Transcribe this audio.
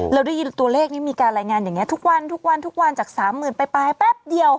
แล้วได้ยินตัวเลขนี้มีการรายงานอย่างนี้ทุกวันจาก๓๐๐๐๐ไปแป๊บเดียว